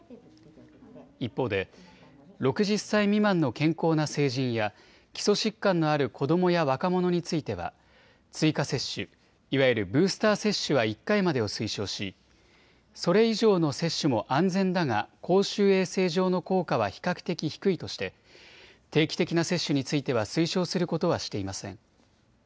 一方で６０歳未満の健康な成人や基礎疾患のある子どもや若者については追加接種、いわゆるブースター接種は１回までを推奨しそれ以上の接種も安全だが公衆衛生上の効果は比較的低いとして定期的な接種については推奨することはしていません。